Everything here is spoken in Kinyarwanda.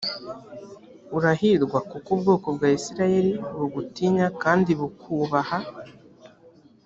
urahirwa kuko ubwoko bwa isirayeli bugutinya kandi bukubaha